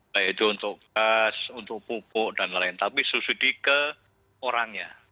baik itu untuk gas untuk pupuk dan lain tapi subsidi ke orangnya